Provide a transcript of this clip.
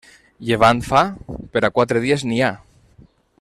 Llevant fa?, per a quatre dies n'hi ha.